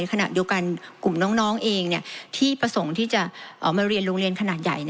ขณะเดียวกันกลุ่มน้องเองที่ประสงค์ที่จะมาเรียนโรงเรียนขนาดใหญ่